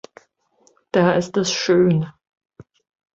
Da ist es schön.